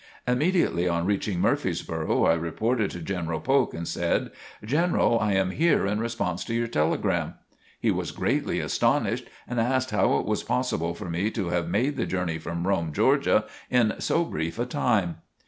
Immediately on reaching Murfreesboro I reported to General Polk and said: "General, I am here in response to your telegram." He was greatly astonished and asked how it was possible for me to have made the journey from Rome, Georgia, in so brief a time.